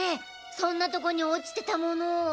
そんなとこに落ちてたものを。